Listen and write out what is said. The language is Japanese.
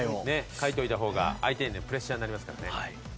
書いておいた方が相手へのプレッシャーになりますからね。